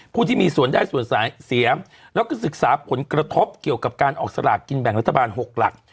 ผู้ที่มีส่วนได้ส่วนเสียแล้วก็ศึกษาผลกระทบเกี่ยวกับการออกสลากกินแบ่งรัฐบาล๖หลัก